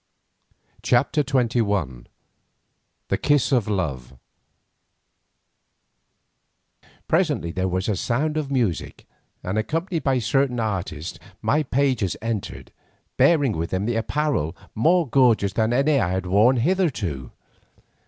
CHAPTER XXI THE KISS OF LOVE Presently there was a sound of music, and, accompanied by certain artists, my pages entered, bearing with them apparel more gorgeous than any that I had worn hitherto.